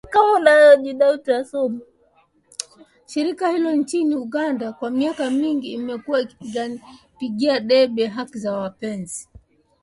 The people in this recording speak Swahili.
Shirika hilo nchini Uganda kwa miaka mingi limekuwa likipigia debe haki za wapenzi wa jinsia moja nchini Uganda.